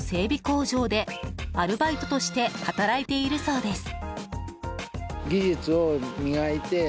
工場でアルバイトとして働いているそうです。